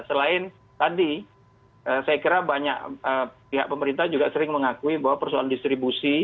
selain tadi saya kira banyak pihak pemerintah juga sering mengakui bahwa persoalan distribusi